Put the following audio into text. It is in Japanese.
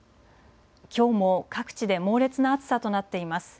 きょうも各地で猛烈な暑さとなっています。